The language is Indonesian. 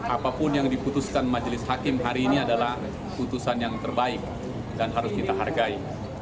apapun yang diputuskan majelis hakim hari ini adalah putusan yang terbaik dan harus kita hargai